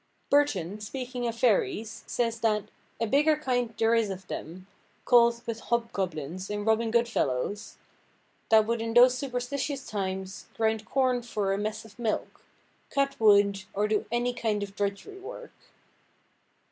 Burton, speaking of fairies, says that "a bigger kind there is of them, called with Hob–goblins, and Robin Goodfellowes, that would in those superstitious times, grinde corne for a messe of milke, cut wood, or do any kind of drudgery worke."